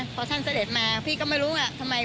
นัขสินคันวิทีแบบเข้าบริเวณไชงกุฏาสาวใคร